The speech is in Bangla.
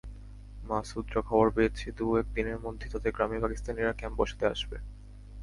মাসুদরা খবর পেয়েছে, দু-এক দিনের মধ্যেই তাদের গ্রামে পাকিস্তানিরা ক্যাম্প বসাতে আসবে।